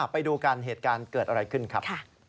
ไปดูกันเหตุการณ์เกิดอะไรขึ้นครับ